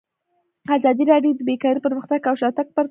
ازادي راډیو د بیکاري پرمختګ او شاتګ پرتله کړی.